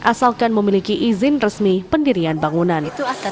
asalkan memiliki izin resmi pendirian bangunan